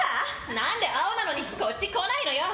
何で青なのにこっち来ないのよ。